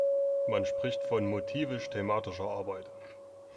Man spricht von motivisch-thematischer Arbeit.